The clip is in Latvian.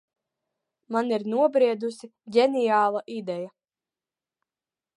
Man ir nobriedusi ģeniāla ideja.